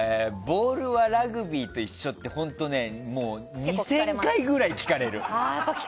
ボールはラグビーと同じって２０００回ぐらい聞かれる。